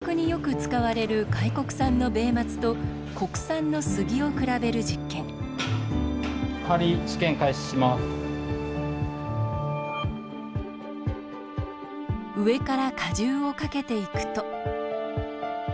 住宅によく使われる外国産のベイマツと国産のスギを比べる実験上から荷重をかけていくと。